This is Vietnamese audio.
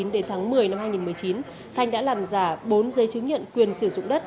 đến tháng một mươi năm hai nghìn một mươi chín thanh đã làm giả bốn giấy chứng nhận quyền sử dụng đất